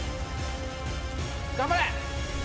頑張れ！